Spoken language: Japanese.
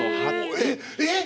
えっ？